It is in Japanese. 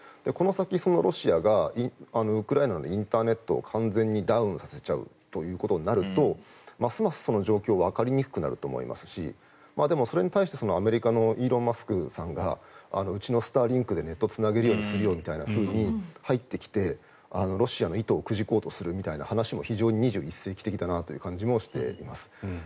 この先、そのロシアがウクライナのインターネットを完全にダウンさせちゃうということになるとますますその状況はわかりにくくなると思いますしそれに対してアメリカのイーロン・マスク氏がうちのスターリンクでネットをつなげるようにするみたいに入ってきてロシアの意図をくじこうとしている感じも非常に２１世紀的だなという感じもしています。